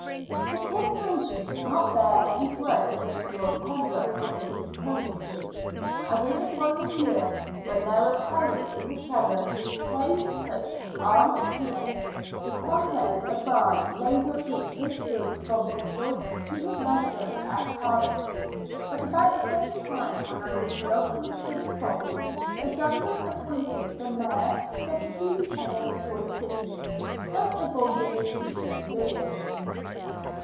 The Corporation did not bear any grudge against Lord Pembroke for his discourtesy, as in the following year, when there were pirates in the Severn, they equipped an armed pinnace to convey a barge laden with his goods from Bristol to his residence at Cardiff. But about the same time, on an appeal from the civic body, the Government appointed the Mayor Deputy Lieutenant for the city, thus avoiding future collisions.